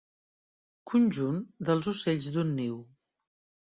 Conjunt dels ocells d'un niu.